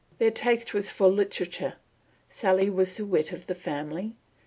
Their taste was for literature. Sally was the wit of the family.